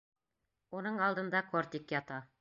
Уның алдында кортик ята.